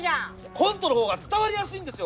コントの方が伝わりやすいんですよ！